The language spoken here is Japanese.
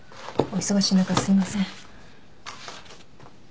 お忙しい中すいません。